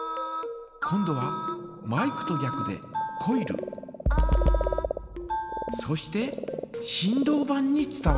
今度はマイクとぎゃくでコイルそして振動板に伝わります。